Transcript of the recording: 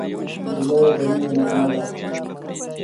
زړه د مینې نغمه ده.